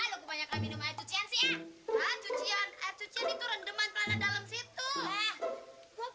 saya yang mencerah ayah kenapa menjerimu